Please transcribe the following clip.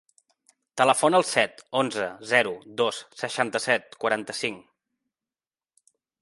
Telefona al set, onze, zero, dos, seixanta-set, quaranta-cinc.